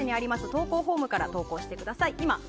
投稿フォームから投稿してください。